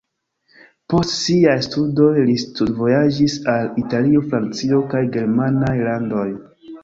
Post siaj studoj li studvojaĝis al Italio, Francio kaj germanaj landoj.